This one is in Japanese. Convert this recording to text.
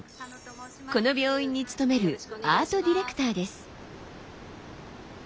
この病院に勤めるアート・ディレクターです。